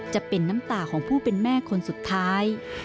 จะเป็นน้ำตาของผู้เป็นแม่คนสุดท้าย